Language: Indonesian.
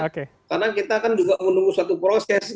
karena kita kan juga menunggu suatu proses